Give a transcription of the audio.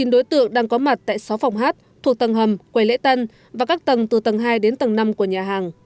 chín đối tượng đang có mặt tại sáu phòng hát thuộc tầng hầm quầy lễ tân và các tầng từ tầng hai đến tầng năm của nhà hàng